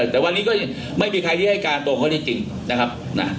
แต่วันนี้ก็ไม่มีใครที่ให้การตรงเขาจริงนะครับ